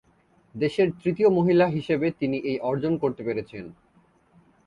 দেশের তৃতীয় মহিলা হিসেবে তিনি এই অর্জন করতে পেরেছেন।